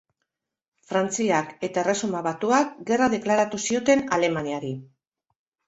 Frantziak eta Erresuma Batuak gerra deklaratu zioten Alemaniari.